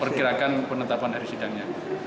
perkirakan penetapan dari sidangnya